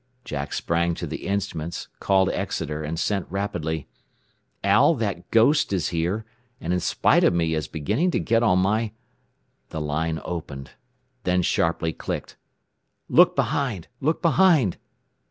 Jack sprang to the instruments, called Exeter, and sent rapidly, "Al, that 'ghost' is here, and in spite of me, is beginning to get on my " The line opened, then sharply clicked: "Look behind! Look behind!"